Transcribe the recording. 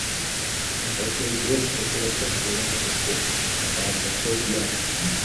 Хъумпӏэцӏэджхэм къэкӏыгъэхэм зэран яхуэхъу хьэпӏацӏэ куэд яшх.